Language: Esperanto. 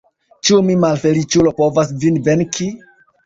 Ĉu mi, malfeliĉulo, povas vin venki?